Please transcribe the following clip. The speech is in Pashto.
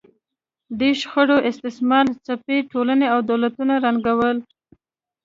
دې شخړو استثمار ځپلې ټولنې او دولتونه ړنګول